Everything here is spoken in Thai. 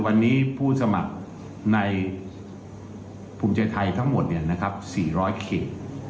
วันนี้ผู้สมัครในภูมิใจไทยทั้งหมด๔๐๐เขต